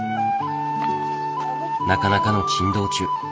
なかなかの珍道中。